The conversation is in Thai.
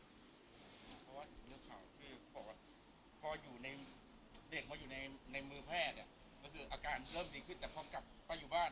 พออยู่ในเด็กพออยู่ในในมือแพทย์เนี้ยก็คืออาการเริ่มดีขึ้นแต่พร้อมกลับไปอยู่บ้าน